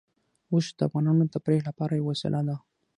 اوښ د افغانانو د تفریح لپاره یوه وسیله ده.